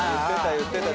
言ってた。